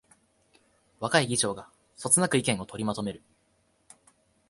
若い議長がそつなく意見を取りまとめる